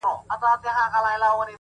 تا په درد كاتــــه اشــــنــــا،